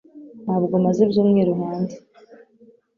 Ntabwo maze ibyumweru hanze